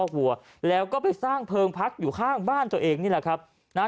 วัวแล้วก็ไปสร้างเพลิงพักอยู่ข้างบ้านตัวเองนี่แหละครับนะฮะ